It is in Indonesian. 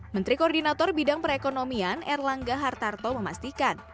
menteri koordinator bidang perekonomian erlangga hartarto memastikan